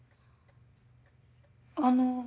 あの。